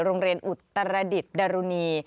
โรงเรียนอุตรดิษฐ์ดรุณี